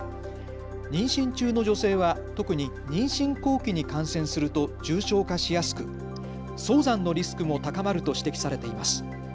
妊娠中の女性は特に、妊娠後期に感染すると重症化しやすく早産のリスクも高まると指摘されています。